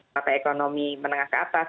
partai ekonomi menengah ke atas